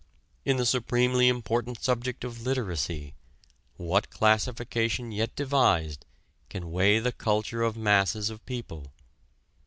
In the supremely important subject of literacy, what classification yet devised can weigh the culture of masses of people?